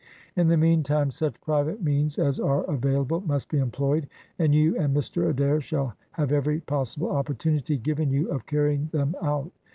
In the meantime such private means as are available must be employed, and you and Mr Adair shall have every possible opportunity given you of carrying them out.